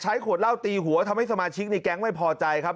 ขวดเหล้าตีหัวทำให้สมาชิกในแก๊งไม่พอใจครับ